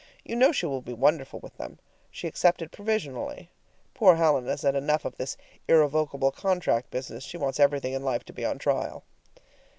You know she will be wonderful with them. She accepted provisionally. Poor Helen has had enough of this irrevocable contract business; she wants everything in life to be on trial!